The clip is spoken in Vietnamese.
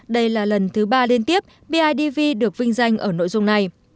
đây là lần thứ ba liên tiếp bidv được vinh danh ở nội dung này